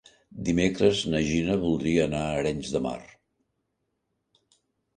Dimecres na Gina voldria anar a Arenys de Mar.